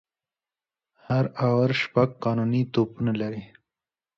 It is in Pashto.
هر آور شپږ قانوني توپونه لري.